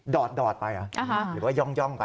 อดไปหรือว่าย่องไป